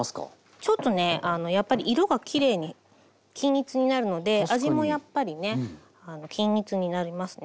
ちょっとねやっぱり色がきれいに均一になるので味もやっぱりねあの均一になりますね。